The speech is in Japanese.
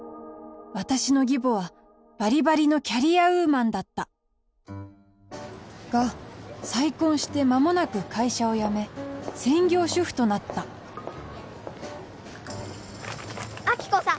私の義母はバリバリのキャリアウーマンだったが再婚して間もなく会社を辞め専業主婦となった亜希子さん